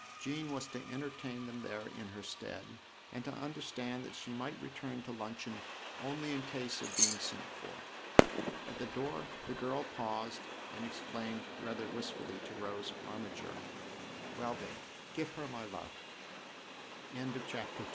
Jean was to entertain them there in her stead and to understand that she might return to luncheon only in case of being sent for. At the door the girl paused and exclaimed rather wistfully to Rose Armiger :" Well, then, give her my love !" II "YOUR young friend," R